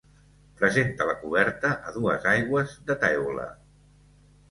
Presenta la coberta a dues aigües de teula.